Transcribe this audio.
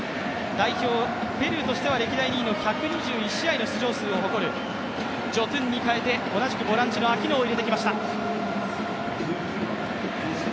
代表ペルーとしては歴代２位の１２１試合を誇る、ジョトゥンにかえて同じくボランチのアキノを入れてきました。